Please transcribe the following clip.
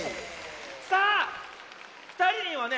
さあふたりにはね